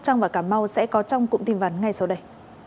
sóc trọng và cảm mau sẽ có trong cụm tin vấn ngay sau đây